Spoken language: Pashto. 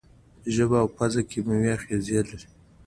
ژبه او پزه کیمیاوي آخذې لري.